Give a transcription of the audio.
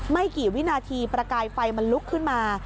ไม่กี่วินาทีประกายไฟมันลุกขึ้นมา